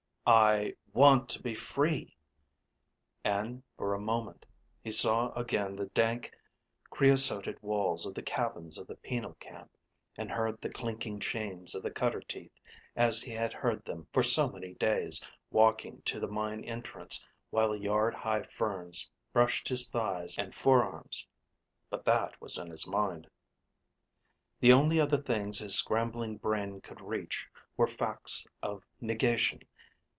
I want to be free (and for a moment he saw again the dank, creosoted walls of the cabins of the penal camp, and heard the clinking chains of the cutter teeth as he had heard them for so many days walking to the mine entrance while the yard high ferns brushed his thighs and forearms ... but that was in his mind). The only other things his scrambling brain could reach were facts of negation.